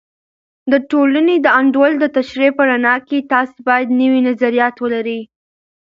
د ټولنې د انډول د تشریح په رڼا کې، تاسې باید نوي نظریات ولرئ.